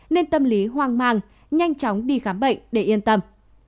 nên tâm lý hoang mang nhanh chóng đi khám bệnh để yên tâm